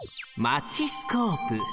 マチスコープ。